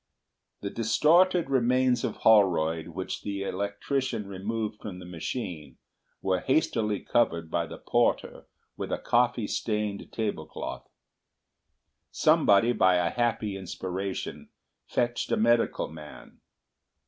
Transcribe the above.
The distorted remains of Holroyd, which the electrician removed from the machine, were hastily covered by the porter with a coffee stained tablecloth. Somebody, by a happy inspiration, fetched a medical man.